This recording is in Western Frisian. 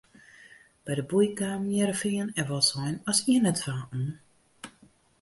By de boei kamen Hearrenfean en Wâldsein as ien en twa om.